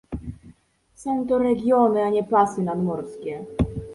Są to regiony, a nie pasy nadmorskie